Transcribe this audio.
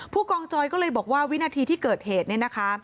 ผู้กองจอยก็เลยบอกว่าวินาทีที่เกิดเหตุเนี่ยนะคะ